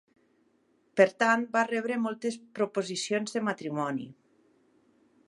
Per tant, va rebre moltes proposicions de matrimoni.